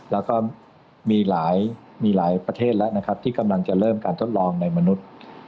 แล้วก็มีหลายประเทศแล้วนะครับที่กำลังจะเริ่มการทดลองในมนุษย์